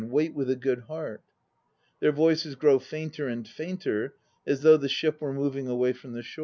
Wait with a good heart. (Their voices grow fainter and fainter, as though the ship were moving away from the shore.)